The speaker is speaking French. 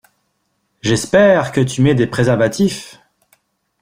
J'espère que tu mets des préservatifs!